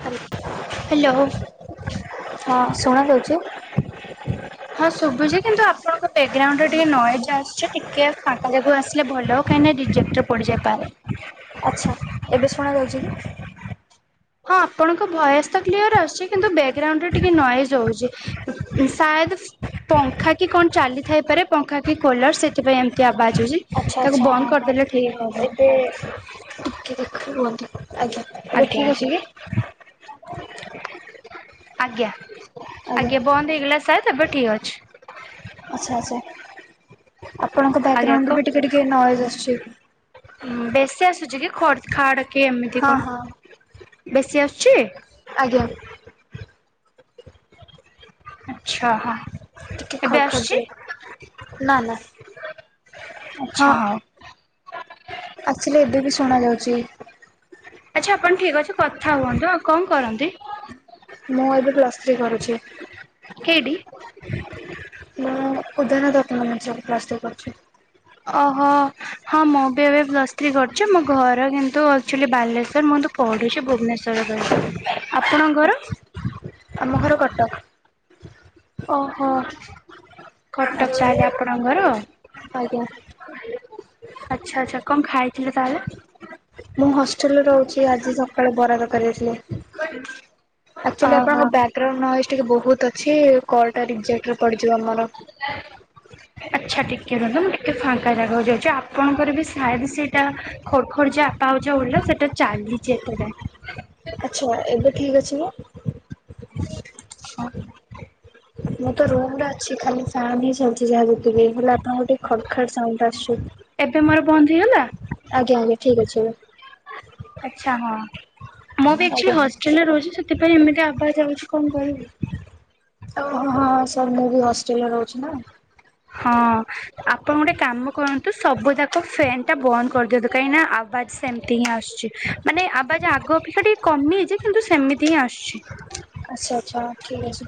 Hello hello. ହଁ ଶୁଣା ଯାଉଚି। ହଁ ଶୁଭୁଛି କିନ୍ତୁ ଆପଣଙ୍କ ବେଗ୍ରାଉଣ୍ଡରେ ଟିକେ ନଏଜ ଆସୁଛି ଟିକେ ଫାଙ୍କା ଯାଗାକୁ ଆସିଲେ ଭଲ। କାଇଁନା ରିଜେକ୍ଟ ପଡିଯାଇପାରେ। ଆଚ୍ଛା ଏବେ ଶୁଣାଯାଉଛି କି? ହଁ ଆପଣଙ୍କ ଭୟସ ତ କ୍ଲିୟର ଆସୁଛି କିନ୍ତୁ ବ୍ୟାଗ୍ରାଉଣ୍ଡ ରେ ଟିକେ ନଏଜ ହଉଛି। ଶାୟଦ ପଙ୍ଖା କି କଣ ଚାଲିଥାଇପାରେ ପଙ୍ଖା କି କୋଲର ସେଥିପାଇଁ ଏମିତି ଆବାଜ ହଉଛି। ଆଚ୍ଛା ତାକୁ ଆଚ୍ଛା ହଁ ବନ୍ଦ ହଁ କରିଦେଲେ ଠିକ୍ ହବ। [unintelligible] ଆଜ୍ଞା ଏବେ ଆଜ୍ଞା ଠିକ୍ ଅଛି ଆଜ୍ଞା। କି? ଆଜ୍ଞା, ଆଜ୍ଞା ବନ୍ଦ ହେଇଗଲା। ତେବେ ଠିକ ଅଛି। ଆଚ୍ଛା ଆଚ୍ଛା ଆପଣଙ୍କ ଆଜ୍ଞା ବ୍ୟାଗ୍ରାଉଣ୍ଡରୁ କ ବି ଟିକେ ଟିକେ ନଏଜ୍ ଆସୁଛି। ବେଶୀ ଆସୁଛି କି ଖଡ୍ ଖାଡ କି ଏମିତି ହଁ ହଁ କଣ? ବେଶୀ ଆସୁଛି? ଆଜ୍ଞା। ଆଚ୍ଛା, ହଁ। ଟିକେ ଏବେ ଖଡ଼ ଖଡ଼ ଆସୁଛି? ଯୋଉ ନା ନା ଆକଚୁଆଲି ଏବେ ବି ଶୁଣା ଯାଉଛି। ଆଚ୍ଛା ଆପଣ ଠିକ ଅଛି କଥା ହୁଅନ୍ତୁ, ଆଉ କଣ କରନ୍ତି? ମୁଁ ଏବେ ପ୍ଲସ୍ ଥ୍ରୀ କରୁଛି। କେଇଠି? ମୁଁ ଉଦୟନାଥ ଅଟୋନମସରେ ପ୍ଲସ ଥ୍ରୀ କରୁଛି। ଓ ହୋ ହଁ ମୁଁ ବି ଏବେ ପ୍ଲସ ଥ୍ରି କରିଛି ମୋ ଘର କିନ୍ତୁ ଆକଚୁଆଲି ବାଲେଶ୍ଵର [unintelligible] ପଢ଼ୁଛି ଭୁବନେଶ୍ୱରରେ ରହି, ଆପଣଙ୍କ ଘର? ଆମ ଘର କଟକ। ଓହୋ କଟକ ଆଚ୍ଛା ତାହଲେ ଆପଣ ଘର? ଆଜ୍ଞା। ଆଚ୍ଛା ଆଚ୍ଛା କଣ ଖାଇଥିଲେ ତାହେଲେ? ମୁଁ ହଷ୍ଟେଲ ରେ ରହୁଛି ଆଜି ସକାଳେ ବରା ତରକାରି ଦେଇଥିଲେ। ଆକଚୁଆଲି ଓହୋ। ଆପଣଙ୍କ ବ୍ୟାଗ୍ ଗ୍ରାଉଣ୍ଡ ନଏଜ ଟିକେ ବହୁତ ଅଛି କଲଟା ରିଯେକ୍ଟରେ ପଡିଯିବ ଆମର। [unintelligible] ଆଚ୍ଛା ଟିକେ ରୁହନ୍ତୁ ମୁଁ ଟିକେ ଫାଙ୍କା ଜାଗାକୁ ଯାଉଛି ଆପଣଙ୍କର ବି ସାୟଦ ସେଇଟା ଖଡ଼ ଖଡ଼ ଯା [unintelligible] ସେଟା ଚାଲିଛି ଏତେ ଯାଏ। ଆଛା ଏବେ ଠିକ୍ ଅଛି ନା? ହଁ। ମୁଁ ତ ରୁମ୍ ରେ ଅଛି ଖାଲି ଫ୍ୟାନ ହିଁ ଚାଲିଛି ଯାହା ଯେତିକି ହେଲେ ଆପଣଙ୍କୁ ଟିକେ ଖଡଖାଡ ସାଉଣ୍ଡ ଆସୁଛି। ଏବେ ମାର ବନ୍ଦହେଇଗଲା? ଆଜ୍ଞା ଆଜ୍ଞା ଠିକ୍ ଅଛି ଏବେ। ଆଚ୍ଛା ହଁ, ମୁଁ ବି ଆକଚୁଆଲି ଆଜ୍ଞା। ହଷ୍ଟେଲରେ ରହୁଛି ସେଥିପାଇଁ ଏମିତି ଆବାଜ ଆଉଛି କଣ କରିବି? ହଁଁ ସାର୍ ମୁଁ ବି ହଷ୍ଟେଲରେ ରହୁଛି ନା। ହଁ। ଆପଣ ଗୋଟେ କାମ କରନ୍ତୁ ସବୁ ଯାକ ଫ୍ୟାନ ଟା ବନ୍ଦ କରିଦିଅନ୍ତୁ କାହିଁକି ନା ଆବାଜ ସେମିତି ହିଁ ଆସୁଛି। ମାନେ ଆବାଜ ଆଗ ଅପେକ୍ଷା ଟିକେ କମିଯାଇଛି କିନ୍ତୁ ସେମିତି ହିଁ ଆସୁଛି। ଆଚ୍ଛା ଆଚ୍ଛା ଠିକ୍ ଅଛି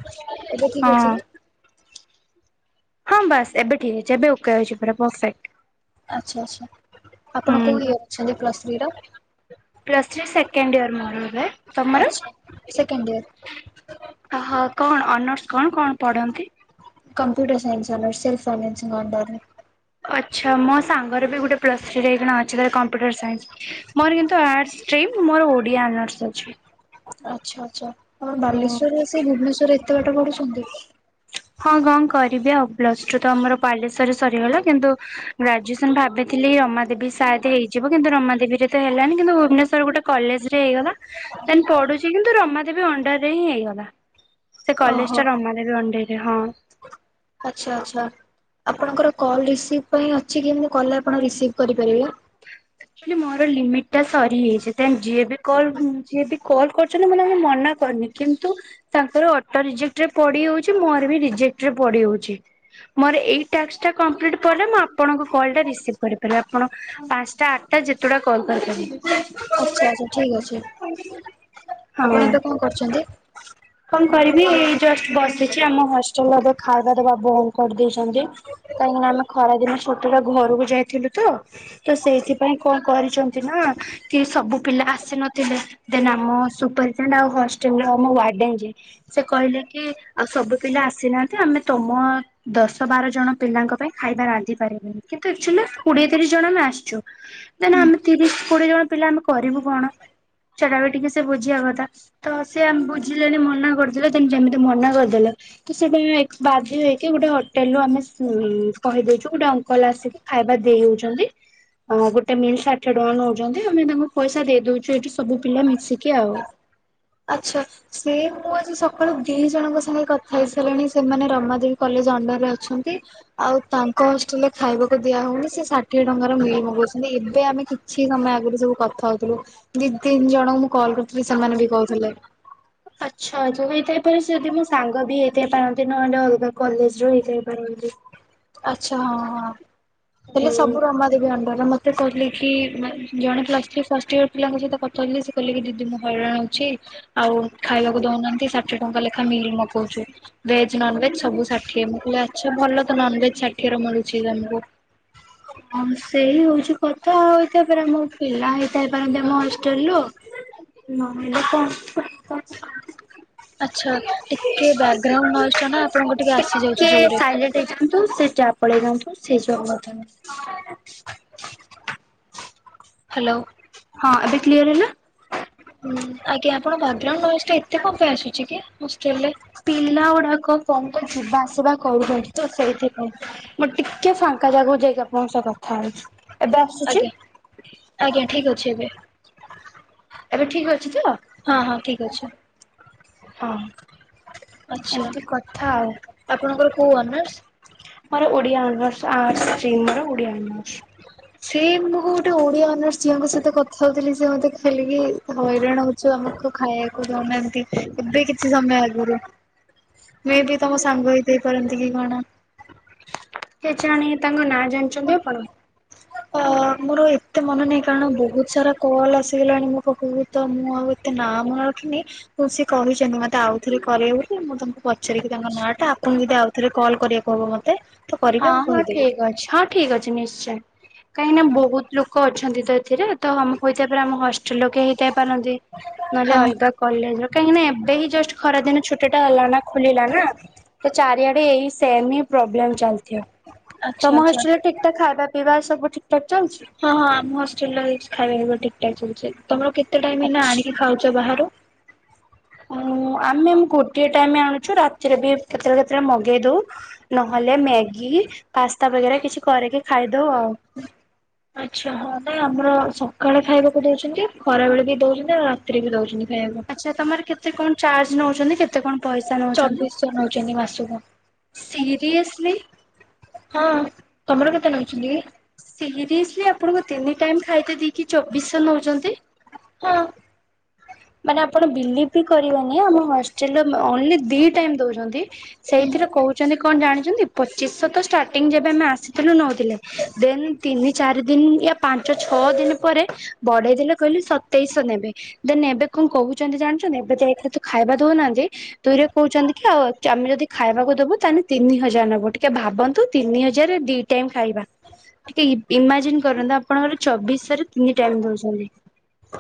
ଏବେ ଠିକ ଅଛି ହଁ କି? ହଁ ବାସ୍ ଏବେ ଠିକ୍ ଅଛି ଏବେ ଓକେ ଅଛି ପୁରା ପରଫେକ୍ଟ। ଆଚ୍ଛା ଆଚ୍ଛା ଆପଣ ହୁଁ। କଉଁ ଇୟର ଅଛନ୍ତି ପ୍ଲସ୍ ଥ୍ରୀର? ପ୍ଲସ୍ ଥ୍ରୀ ସେକଣ୍ଡ ୟର୍ ମୋର ଏବେ ତମର? ଆଚ୍ଛା ସେକେଣ୍ଡ ଇୟର ଓହୋ କଣ ଅନର୍ସ କଣ କଣ ପଢ଼ନ୍ତି? Computer science honours self financing ଅଣ୍ଡରରେ। ଆଚ୍ଛା ମୋ ସାଙ୍ଗର ବି ଗୋଟେ ପ୍ଲସ ଥ୍ରିରେ ଏଇଖଣା ଅଛି ତାର କମ୍ପ୍ୟୁଟର ସାଇନ୍ସ। ମୋର କିନ୍ତୁ ଆର୍ଟସ ଷ୍ଟ୍ରିମ୍ ମୋର ଓଡ଼ିଆ ହନର୍ଶ ଅଛି। ଆଚ୍ଛା ଆଚ୍ଛା, ଆପଣ ଓ ବାଲେଶ୍ୱରରୁ ଆସି ଭୁବନେଶ୍ୱରରେ ଏତେ ବାଟ ପଢ଼ୁଛନ୍ତି? ହଁ କଣ କରିବି ଆଉ ପ୍ଲସ ଟୁ ତ ଆମର ବାଲେଶ୍ୱରରେ ସରିଗଲା କିନ୍ତୁ ଗ୍ରାଜୁଏସନ ଭାବିଥିଲି ରମାଦେବୀ ସାୟଦ ହେଇଯିବ କିନ୍ତୁ ରମାଦେବୀରେ ତ ହେଲାନି କିନ୍ତୁ ଭୁବନେଶ୍ଵରରେ ଗୋଟେ କଲେଜରେ ହେଇଗଲା। ପଢୁଛି କିନ୍ତୁ ରମାଦେବୀ ଅଣ୍ଡାର ରେ ହିଁ ହେଇଗଲା। ସେ ଓହୋ କଲେଜଟା ରମାଦେବି ଅଣ୍ଡରରେ। ହଁ। ଆଚ୍ଛା ଆଛା। ଆପଣଙ୍କର କଲ୍ ରିସିଭ ପାଇଁ ଅଛି କି ମୁଁ କଲ ଆପଣ ରିସିଭ୍ କରିପାରିବେ? [inaudible] ମୁଁ କହିଲି ମୋର ଲିମିଟ୍ ଟା ସରିଯାଇଛି। ଦେନ୍ ଯିଏ ବି କଲ ଯିଏ ବି କଲ୍ କରୁଛନ୍ତି ମୁଁ ତାଙ୍କୁ ମନା କରିନି। କିନ୍ତୁ ତାଙ୍କର ଅଟୋ ରିଜେକ୍ଟ ରେ ପଡି ରହୁଛି, ମୋର ବି ରିଜେକ୍ଟରେ ପଡି ରହୁଛି। ମୋର ଏଇ ଟାସ୍କ ଟା କମ୍ପ୍ଲିଟ୍ ପରେ ମୁଁ ଆପଣଙ୍କ କଲ ଟା ରିସିଭ କରି ପାରିବି। ଆପଣ ପାଞ୍ଚଟା ଆଠଟା ଯେତୁଟା କଲ୍ କରିି ପାରିବେ। ଆଚ୍ଛା, ଆଚ୍ଛା ଠିକ୍ ଅଛି। ଆପଣ ହଁ। ଏବେ କଣ କରୁଛନ୍ତି? [inaudible] କଣ କରିବି? ଏଇ ଜଷ୍ଟ ବସିଛି। ଆମ ହଷ୍ଟେଲ ଖାଇବା ଦବା ବନ୍ଦ କରିଦେଇଛନ୍ତି। କାହିଁକି ନା ଆମେ ଖରା ଦିନ ଛୁଟିରେ ଘରକୁ ଯାଇଥିଲୁ ତ ତ ସେଇଥିପାଇଁ କଣ କରିଛନ୍ତି ନା କି ସବୁ ପିଲା ଆସି ନଥିଲେ, ଦେନ୍ ଆମ ସୁପରଟେଣ୍ଡ ଆଉ ହଷ୍ଟେଲ ର ଆମ ୱାର୍ଡେନ ଯିଏ ସେ କହିଲେ କି ଆଉ ସବୁ ପିଲା ଆସିନାହାନ୍ତି ଆମେ ତମ ଦଶ ବାର ଜଣ ପିଲାଙ୍କ ପାଇଁ ଖାଇବା ରାନ୍ଧି ପାରିବୁନି। କିନ୍ତୁ ଆକ୍ଚୁଆଲ୍ କୋଡିଏ ତିରିଶ ଜଣ ଆମେ ଆସ ଦେନ ଆମେ ତିରିଶ କୋଡିଏ ଜଣ ପିଲା ଆମେ କରିବୁ କଣ? ସେଟା ବି ଟିକେ ସେ ବୁଝିବା କଥା। ତ ସେ ଆମ ବୁଝିଲେଣି ମନା କରିଦେଲେ, ଦେନ୍ ଯେମିତି ମନା କରିଦେଲେ ତ ସେଇଟା ଏକ୍ ବାଧ୍ୟ ହେଇକି, ଗୋଟେ ହୋଟେଲ ରୁ ଆମେ ଉ କହିଦେଇଛୁ ଗୋଟେ ଅଙ୍କଲ ଆସିକି ଖାଇବା ଦେଇ ହଉଛନ୍ତି। ହଁ ଗୋଟେ ମିଲ୍ ଷାଠିଏ ଟଙ୍କା ନଉଚନ୍ତି। ଆମେ ତାଙ୍କୁ ପଇସା ଦେଇ ଦଉଛୁ ଏଇଠି ସବୁ ପିଲା ମିଶିକି ଆଉ। ଆଚ୍ଛା। ସେ ମୁଁ ଆଜି ସକାଳୁ ଦି ଜଣଙ୍କ ସାଙ୍ଗେ କଥା ହେଇ ସାରିଲିଣି ସେମାନେ ରମାଦେବୀ କଲେଜ ଅଣ୍ଡରରେ ଅଛନ୍ତି। ଆଉ ତାଙ୍କ ହଷ୍ଟେଲ ରେ ଖାଇବାକୁ ଦିଆ ହଉନି ସେ ଟିଏ ଟଙ୍କାର ମିଲ ମଗଉଛନ୍ତି। ଏବେ ଆମେ କିଛି ସମୟ ଆଗରେ ସବୁ କଥା ହଉଥିଲୁ ଦି ତିନି ଜଣଙ୍କୁ ମୁଁ କଲ୍ କରିଥିଲି ସେମାନେ ବି କହୁଥିଲେ। ଆଚ୍ଛା ହେଇଥାଇପାରେ ଯଦି ମୋ ସାଙ୍ଗ ବି ହେଇଥାଇ ପାରନ୍ତି ନହେଲେ ଅଲଗା କଲେଜ ରୁ ହେଇଥାଇ ପାରନ୍ତି। ଆଚ୍ଛା ହଁ ହଁ। ହେଲେ ହୁଁ। ସବୁ ରମା ଦେଵୀ ଅଣ୍ଡର ମତେ କହିଲେ କି ମାନେ ଜଣେ ପ୍ଲସ ଥ୍ରୀ ଫାଷ୍ଟ ଇୟର ପିଲାଙ୍କ ସହିତ କଥା ହେଉଥିଲି, ସେ କହିଲେ କି ଦିଦି ମୁଁ ହଇରାଣ ହୋଉଛି, ଆଉ ଖାଇବାକୁ ଦଉନାହାନ୍ତି, ଆଉ ଷାଠିଏ ଟଙ୍କା ଲେଖା ମିଲ୍ ମଗଉଛୁ। ଭେଜ୍ ନନଭେଜ୍ ସବୁ ଷାଠିଏ। ମୁଁ କିହିଲି ଆଛା ଭଲ ତ ନନଭେଜ୍ ଷାଠିଏରେ ମିଳୁଛି ତମକୁ। ହଁ ସେଇ ହଉଛି କଥା। ଆଉ ଏଇଥ ପରା ଆମ ପିଲା ହେଇଥାଇ ପାରନ୍ତି ଆମ ହଷ୍ଟେଲରୁୁ। ନହେଲେ ଆଚ୍ଛା ବ୍ୟାକଗ୍ରାଉଣ୍ଡ ନଏଜ ଟା ନା ଆପଣଙ୍କୁ ଟିକେ ଆସିଯାଉଛି ଟିକେ ଜୋରରେ ସାଇ ଯାନ୍ତୁ [unintelligible] ହାଲୋ। ହଁ ଏବେ କ୍ଲିୟର ହେଲା? ହୁଁ ଆଜ୍ଞା ଆପଣ ବ୍ୟାଗ୍ ଗ୍ରାଉଣ୍ଡ ଭଏସ୍ ଟା ଏତେ କଣ ପାଇଁ ଆସୁଛି କି ହୋଷ୍ଟେଲ ରେ? ପିଲା ଗୁଡାକ କଣ ତ ଯିବା ଆସିବା କରୁଛନ୍ତି ତ ସେଇଥିପାଇଁ। ମୁଁ ଟିକେ ଫାଙ୍କା ଜାଗାକୁ ଯାଇକି ଆପଣଙ୍କ ସହ କଥା ହଉଛି। ଏବେ ଆସୁଛି? ଆଜ୍ଞା ଆଜ୍ଞା ଠିକ୍ ଅଛି ଏବେ ଏବେ ଠିକ୍ ଅଛି ତ? ହଁ, ହଁ ଠିକ୍ ଅଛି। ହଁ। ଆଛା। ଏମିତି କଥା ଆଉ। ଆପଣଙ୍କର କୋଉ ଅନର୍ସ? ମୋର ଓଡିଆ ଅନର୍ସ ଆଟ୍ସ ଷ୍ଟ୍ରିମ ମୋର ଓଡିଆ ଅନର୍ସ। ସେ ମୁଁ ଗୋଟେ ଓଡିଆ ଅନରସ ଝିଅଙ୍କ ସହିତ କଥା ହଉଥିଲି ସିଏ ମୋତେ ହେଲେକି ହଇରାଣ ହଉଛୁ ଆମକୁ ଖାଇବାକୁ ଦଉନାହାନ୍ତି। ଏବେ କିଛି ସମୟ ଆଗରୁ। ମେ ବି ତମ ସାଙ୍ଗ ହେଇଥାଇ ପାରନ୍ତି କି କଣ? କେ ଜାଣି ତାଙ୍କ ନାଁ ଜାଣିଛନ୍ତି ଆପଣ? ଅ ମୋର ଏତେ ମନେ ନାହିଁ କାରଣ ବହୁତ ସାରା କଲ୍ ଆସିଗଲାଣି ମୋ ପାଖକୁ। ତ ମୁଁ ଆଉ ଏତେ ନା ମନେ ରଖିନି ତ ସେ କହିଛନ୍ତି ମତେ ଆଉଥରେ କରିବ ବୋଲି ମୁଁ ତମେ ପଚାରିକି ତାଙ୍କ ନାଁ ଟା ଆପଣଙ୍କୁ ଯଦି ଆଉଥରେ କଲ୍ କରିବାକୁ ହବ ମତେ ତ ହଁ କରିବେ ମୁଁ ହଁ କହିଦେବି। ଠିକ ଅଛି ହଁ। ଠିକ ଅଛି ନିଶ୍ଚୟ। କାହିଁକିନା ବହୁତ ଲୋକ ଅଛନ୍ତି ତ ଏଥିରେ ତମ କହିଥିବା ପରେ ଆମ ହ ଷ୍ଟଲ ଲୋକେ ହେଇଥାଇ ପାରନ୍ତି ନହେଲେ ହଁ ଅଲଗା କଲେଜ ର କାହିଁକି ନା ଏବେ ହିଁ ଜଷ୍ଟ ଖରାଦିନ ଛୁଟି ଟା ହେଲା ନା ଖୋଲିଲା ନା ତ ଚାରିଆଡେ ଏଇ ସେମ ହିଁ ପ୍ରୋବ୍ଲେମ ଚାଲି ଥିବ। ଆଚ୍ଛା ତମ ଆଚ୍ଛା। ହଷ୍ଟେଲ ରେ ଠିକ ଠାକ ଖାଇବା ପିଇବା ସବୁ ଠିକ ଠାକ ଚାଲିଚି? ହଁ ହଁ ଆମ ହଷ୍ଟେଲରେ ହେଇଚି ଖାଇବାବା ଠିକ ଟଠ ଚାଲିଚି ତମର କେତେ ଟାଇମ ହେଇନା ଆଚ୍ଛା। ଆଣିକି ଖାଉଚ ବାହାରୁ? ଉଁ ଆମେ ଗୋଟିଏ ଟାଇମ ଆଣୁଚୁ ରାତିରେ ବି କେତେବେଳେ କେତେବେଳେ ମଗେଇ ଦଉ। ନହେଲେ ମ୍ୟାଗି ପାସ୍ତା ବଗେରା କିଛି କରିକି ଖାଇଦଉ ଆଉ। ଆଚ୍ଛା ହଁ ନାଇ ଆମର ସକାଳେ ଖାଇବାକୁ ଦଉଛନ୍ତି ଖରା ବେଳେ ବି ଦଉଛନ୍ତି ଆଉ ରାତିରେ ବି ଦଉଚନ୍ତି ଖାଇବାକୁ। ଆଛା ତମର କେତେ କଣ ଚାର୍ଜ ନଉଛନ୍ତି କେତେ କଣ ପଇସା ନଉଛନ୍ତି? ଚବିଶଶହ ନଉଛନ୍ତି ମାସକୁ ସିରିଏସ୍ଲି। ହଁ ତମର କେତେ ନଉଚନ୍ତି କି? ସିରିଏସଲି ଆପଣଙ୍କୁ ତିନି ଟାଇମ ଖାଇତ ଦେଇକି ଚବିଶହ ନଉଚନ୍ତି। ହଁ। ମାନେ ଆପଣ ବିଲିଭ ବି କରିବେନି ଆମ ହଷ୍ଟେଲ ରେ ଓନଲି ଦି ଟାଇମ୍ ଦଉଚନ୍ତି। ସେଇଥିରେ କହୁଛନ୍ତି କଣ ଜାଣିଚନ୍ତି ପଚିଶ ତ ଷ୍ଟାର୍ଟିଂ ଯେବେ ଆମେ ଆସିଥିଲୁ ନଉଥିଲେ ଦେନ୍ ତିନି ଚାରି ଦିନ ୟ ପାଞ୍ଚ ଛଅ ଦିନ ପରେ ବଢେଇ ଦେଲେ କହିଲେ ସତେଇଶ ନେବେ ଦେନ ଏବେ କଣ କହୁଛନ୍ତି ଜାଣିଛନ୍ତି ଏବେ ଯାଇଥିଲି ତୁ ଖାଇବା ଦଉନାହାନ୍ତି ଦୁଇରେ କହୁଚନ୍ତି କି ଆଉ ଆମେ ଯଦି ଖାଇବାକୁ ଦବୁ ତାହେଲେ ତିନି ହଜାର ନବୁ ଟିକେ ଭାବନ୍ତୁ ତିନି ହଜାର ରେ ଦି ଟାଇମ୍ ଖାଇବା। ଟିକେ ଇମାଜିନ୍ କରନ୍ତୁ ଆପଣଙ୍କର ଚବିଶରେ ତିନି ଟାଇମ ଦଉଚନ୍ତି।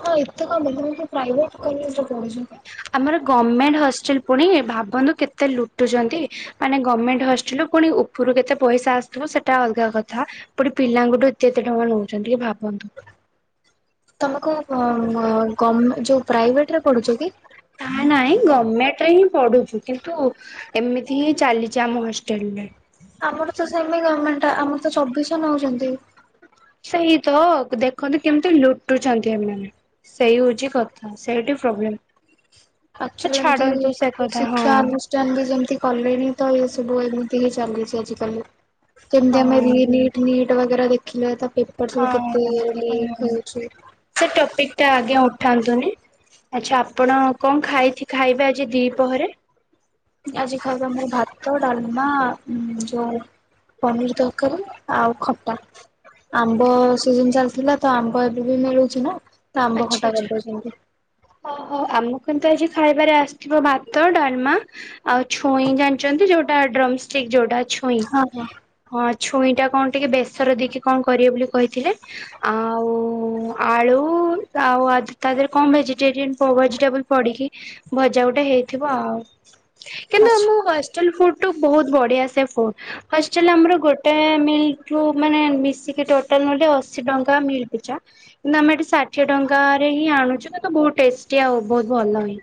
ହଁ ଏତେ କଣ ପ୍ରାଇଭେଟ କଲେଜରେ କହୁଚନ୍ତି। ଆମର ଗମେଣ୍ଟ ହଷ୍ଟେଲ ପୁଣି ଭାବନ୍ତୁ କେତେ ଲୁଟୁଛନ୍ତି। ମାନେ ଗମେଣ୍ଟ ହଷ୍ଟେଲୁ ପୁଣି ଉପରୁ କେତେ ପସ ଆସୁଥିବ ସେଟା ଅଲଗା କଥା ଏପଟେ ପିଲାଙ୍କଠୁ ଏତେ ଏତେ ଟଙ୍କା ନଉଛନ୍ତି ଟିକେ ଭାବନ୍ତୁ। ତମ କଣ ଗମ୍ ଯୋଉ ପ୍ରାଇଭେଟ ରେ ପଢୁଚ କି? ତା ନାହିଁ ଗର୍ମେଣ୍ଟ ରେ ହିଁ ପଢୁଚୁ କିନ୍ତୁ ଏମିତି ହିଁ ଚାଲିଚି ଆମ ହଷ୍ଟେଲ ରେ ଆମର ତ ସେମି ଗମେଣ୍ଟ ଆମର ତ ଚବିଶ ନଉଚନ୍ତି। ସେଇ ତ ଦେଖନ୍ତୁ କେମିତି ଲୁଟୁଛନ୍ତି ଏମାନେ। ସେଇ ହଉଛି କଥା ସେଇଠି ପ୍ରୋବେଲେମ୍। ହ ଛାଡନ୍ତୁ ସେ କଥା ହଁ। ମି ଯେମିତି କଲେଣି ତ ଏ ସବୁ ଏମିତି ହିଁ ଚାଲିଚି ଆଜିକାଲି। ଯେମତି ହଁ ଆମେ ରି ନିଟ୍ ନୀଟ୍ ବଗେରା ଦେଖିଲେ ତ। ପେପର୍ ସବୁ ହଁ କେତେ ଇଏରେ ଲିକ୍ ହଁ। ହଉଚି। ସେ ଟପିକ୍ ଟା ଆଜ୍ଞା ଉଠାନ୍ତୁନି। ଆଚ୍ଛା ଆପଣ କଣ ଖାଇକି ଖାଇବେ ଆଜି ଦିପହରେ? ଆଜି ଖାଇବା ମୋର ଭାତ ଡାଲମା ଯୋଉ ପନିର ତରକାରୀ ଆଉ ଖଟା। ଆମ୍ବ ସିଜନ ଚାଲିଥିଲା ତ ଆମ୍ବ ଏବେ ବି ମିଳୁଚି ନା ତ ଆମ୍ବ ଆଚ୍ଛା ଖଟା ଆଚ୍ଛା। କରିଦଉଛନ୍ତି। ଓହୋ ଆମ କିନ୍ତୁ ଆଜି ଖାଇବାରେ ଆସିଥିବ ଭାତ ଡାଲମା ଆଉ ଛୁଇଁ ଜାଣିଛନ୍ତି ଯୋଉଟା ଡ୍ରମଷ୍ଟିକ ଯୋଉଟା ଛୁଇଁ। ହଁ ହଁ ହଁ ଛୁଇଁ ଟା କଣ ଟିକେ ବେସର ଦେଇକି କଣ କରିବେ ବୋଲି କହିଥିଲେ। ଆଉ ଆଳୁ ଆଉ ଆଜି ତା ଦେହରେ କଣ ଭେଜିଟେରିୟନ ପ୍ରୋ ଭେଜିଟେବୁଲ ପଡିକି ଭଜା ଗୋଟେ ହେଇଥିବ ଆଉ କିନ୍ତୁ ଆଚ୍ଛା। ଆମହଷ୍ଟେଲ ଚାଲ୍ [unintelligible] ବହୁତ ବଢିଆସେ ଫୁଟ। ହଷ୍ଟେଲ ଆମର ଗୋଟାଏ ମିଲ୍ କୁ ମାନେ ମିଶିକି ଟୋଟାଲ ନହଲେ ଅଶୀ ଟଙ୍କା ମିଲ୍ ପିଛା। [unintelligible] ଷାଠିଏ ଟଙ୍କାରେ ହିଁ ଆଣୁଛୁ। ବହୁତ ଟେଷ୍ଟି ଆଉ ବହୁତ ଭଲ ହେଇ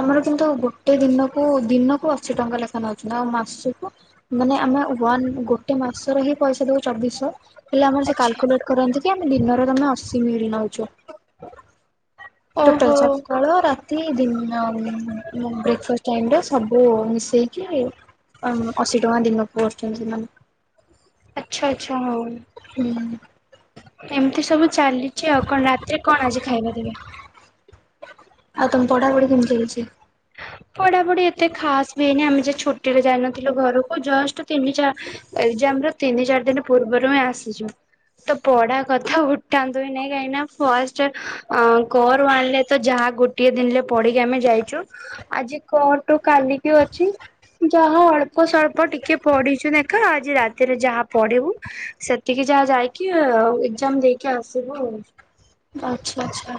ଆମର କିନ୍ତୁ ଗୋଟେ ଦିନକୁ ଦିନକୁ ଅଶୀ ଟଙ୍କା ଲେଖା ନେଉଛନ୍ତି ଆଉ ମାସକୁ ମାନେ ଆମେ ହୁଆନ ଗୋଟେ ମାସରେ ହିଁ ପଇସା ଦଉ ଚବିଶହ। ହେଲେ ଆମର ସେ ଆଚ୍ଛା କାଲକୁଲେଟ କରନ୍ତି କି ଆମେ ଦିନରେ ତମେ ଅଶୀ ମିଳି ନଉଚ। ଓହୋ ଟୋଟାଲ ସକାଳ ରାତି ଦିନ। [unintelligible] ବ୍ରେକ୍ଫାଷ୍ଟ ଟାଇମ୍ ଟା ସବୁ ମିଶେଇକି ଅମ୍ ଅଶୀ ଟଙ୍କା ଦିନକୁ [unintelligible] ଆଛା ଆଛା ହଉ ହୁଁ ଏମିତି ସବୁ ଚାଲି ଚି ଅଉ କଣ ରାତିରେ କଣ ଆଜି ଖାଇବା ଦେବେ। ଆଉ ତମ ପଢା ପଢି କେମିତି ଚାଲିଚି। ପଢାପଢି ଏତେ ଖାସ ବି ହେଇନି ଆମେ ଯଉ ଛୁଟିରେ ଯାଇନଥିଲୁ ଘରକୁ ଜଷ୍ଟ ତିନି ଚା ଏକଜାମ୍ ରେ ତିନି ଚାରି ଦିନ ପୂର୍ବରୁ ହିଁ ଆସିଚୁ। ତ ପଢା କଥା ଉଠାନ୍ତୁ ହିଁ ନାଇଁ କାହିଁକି ନା ଫାଷ୍ଟ କରୱାନଲେ ତ ଯାହା ଗୋଟିଏ ଦିନରେ ପଢିକି ଆମେ ଯାଇଚୁ ଆଜି କଟୁ କାଲିକି ଅଛି। ଯାହା ଅଳ୍ପ ସଳ୍ପ ଟିକେ ପଢିଚୁ ନେଖା ଆଜି ରାତିରେ ଯାହା ପଢିବୁ। ସେତିକି ଯାହା ଯାଇକି ଆଉ ଏଗ୍ଜାମ୍ ଦେଇକି ଆସିବୁ ଆଉ। ଆଚ୍ଛା ଆଚ୍ଛା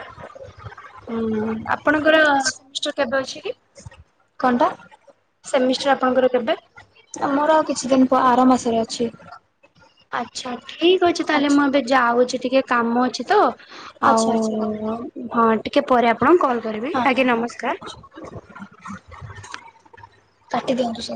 ହଁ ଆପଣଙ୍କର ସେମିଷ୍ଟର କେବେ ଅଛି କି। କନ ଣ୍ଟା। ସେମିଷ୍ଟର ଆପଣଙ୍କର କେବେ। ଆମର ଆଉ କିଛି ଦିନି ଆର ମାସରେ ଅଛି। ଆଚ୍ଛା ଠିକ ଅଛି ତାହେଲେ ଆଚ୍ଛା ମୁଁ ଏବେ ଯାଉଛି ଟିକେ କାମ ଅଛି ତ। ଆଚ୍ଛା ଆଚ୍ଛା ହଉ ଆଉ ହଁ ଟିକେ ପରେ ଆପଣଙ୍କୁ କଲ୍ କରିବି ହଁ ହଁ ଆଜ୍ଞା ହଁ ନମସ୍କାର। [inaudible] କାଟି ଦିଅନ୍ତୁ ସାର୍।